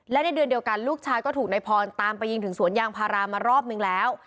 และในเดือนเดียวกันลูกชายก็ถูกนายพรตามไปยิงถึงสวนยางพารามารอบนึงแล้ว